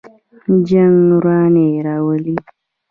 جنګ ورانی راوړي